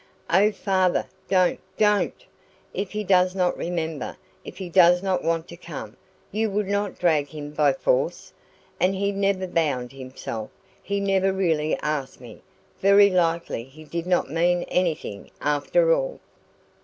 "Oh, father, don't DON'T! If he does not remember if he does not want to come you would not drag him by force? And he never bound himself he never really asked me; very likely he did not mean anything, after all."